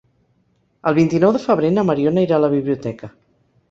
El vint-i-nou de febrer na Mariona irà a la biblioteca.